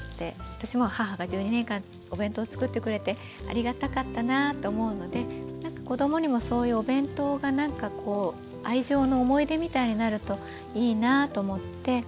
私も母が１２年間お弁当作ってくれてありがたかったなぁと思うのでなんか子供にもそういうお弁当がなんかこう愛情の思い出みたいになるといいなぁと思って。